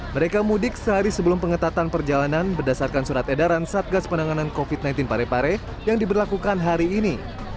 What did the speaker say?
mereka mudik sehari sebelum pengetatan perjalanan berdasarkan surat edaran satgas penanganan covid sembilan belas parepare yang diberlakukan hari ini